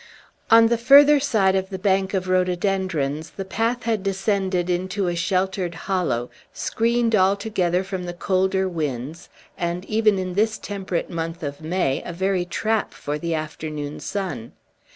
On the further side of the bank of rhododendrons the path had descended into a sheltered hollow, screened altogether from the colder winds, and, even in this temperate month of May, a very trap for the afternoon sun.